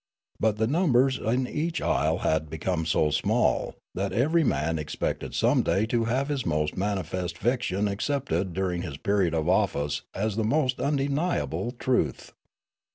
But the numbers in each isle had become so small that every man expected some day to have his most manifest fiction accepted during his period of office as the most undeniable truth.